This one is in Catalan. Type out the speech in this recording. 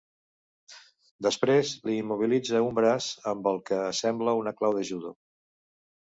Després li immobilitza un braç amb el que sembla una clau de judo.